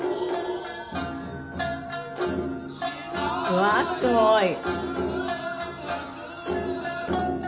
うわあすごい！